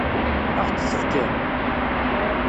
Ad ɣ-t-tefkem?